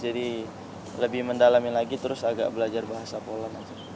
jadi lebih mendalami lagi terus agak belajar bahasa poland